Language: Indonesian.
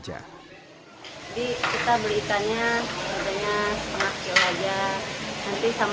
jadi kita beli ikannya sepenuhnya setengah kilo saja